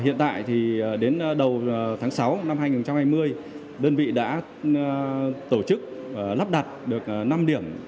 hiện tại thì đến đầu tháng sáu năm hai nghìn hai mươi đơn vị đã tổ chức lắp đặt được năm điểm